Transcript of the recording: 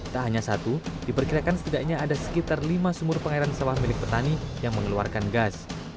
tak hanya satu diperkirakan setidaknya ada sekitar lima sumur pengairan sawah milik petani yang mengeluarkan gas